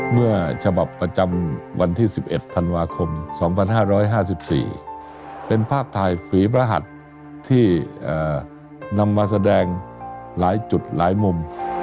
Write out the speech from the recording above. เมื่อฉบับประจำวันที่๑๑ธันวาคม๒๕๕๔เป็นภาพถ่ายฝีพระหัสที่นำมาแสดงหลายจุดหลายมุม